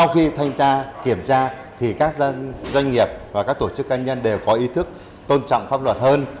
khi thanh tra kiểm tra thì các doanh nghiệp và các tổ chức cá nhân đều có ý thức tôn trọng pháp luật hơn